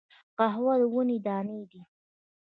قهوه د ونې دانی دي